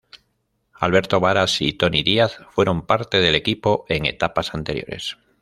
Alberto Varas y Tony Díaz fueron parte del equipo en etapas anteriores.